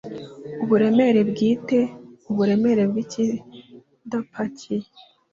Uburemere bwiteUburemere bw’ikidapakiye